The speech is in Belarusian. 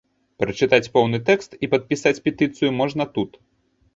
Прачытаць поўны тэкст і падпісаць петыцыю можна тут.